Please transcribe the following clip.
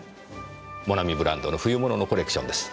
モナミブランドの冬物のコレクションです。